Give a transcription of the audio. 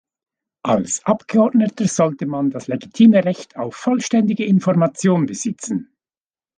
Als Abgeordneter sollte man das legitime Recht auf vollständige Information besitzen.